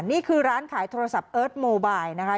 นี่คือร้านขายโทรศัพท์เอิร์ทโมบายนะคะ